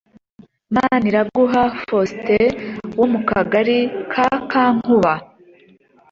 Maniraguha Faustin wo mu Kagali ka Kankuba